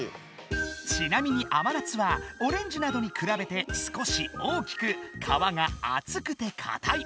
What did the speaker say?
ちなみに甘夏はオレンジなどにくらべて少し大きく皮があつくてかたい。